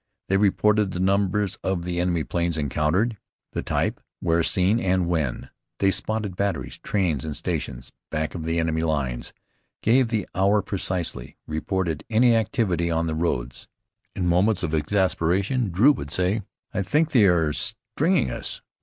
They reported the numbers of the enemy planes encountered, the types, where seen and when. They spotted batteries, trains in stations back of the enemy lines, gave the hour precisely, reported any activity on the roads. In moments of exasperation Drew would say, "I think they are stringing us!